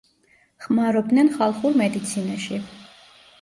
ხმარობდნენ ხალხურ მედიცინაში.